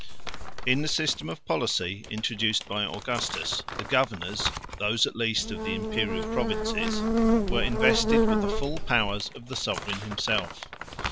In the system of policy introduced by Augustus, the governors, those at least of the Imperial provinces, were invested with the full powers of the sovereign himself.